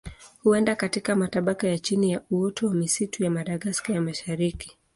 Huenda katika matabaka ya chini ya uoto wa misitu ya Madagaska ya Mashariki.